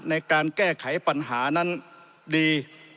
ในการแก้ไขปัญหานั้นดี